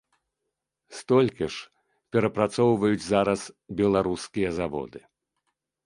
Столькі ж перапрацоўваюць зараз беларускія заводы.